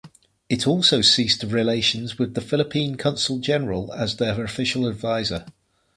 It also ceased relations with the Philippine Consul General as their official adviser.